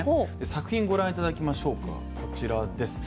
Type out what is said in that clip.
作品ご覧いただきましょうか、こちらです。